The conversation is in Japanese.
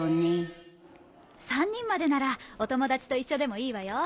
３人までならお友達と一緒でもいいわよ。